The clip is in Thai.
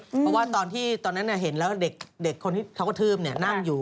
เพราะว่าตอนนั้นเห็นแล้วเด็กคนที่เขากระทืบนั่งอยู่